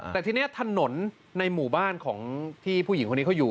แต่ทีนี้ถนนในหมู่บ้านของที่ผู้หญิงคนนี้เขาอยู่